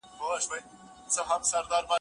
د وادي په شنه اسمان کې راتاویږي